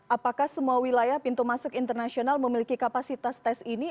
apakah semua wilayah pintu masuk internasional memiliki kapasitas tes ini